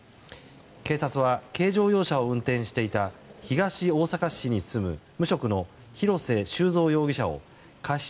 警察は軽乗用車を運転していた東大阪市に住む無職の廣瀬修三容疑者を過失